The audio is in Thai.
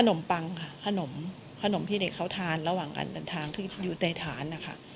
ขนมขนมปังค่ะขนมที่เด็กเขาทานระหว่างกันทางคืออยู่ในฐานนะคะ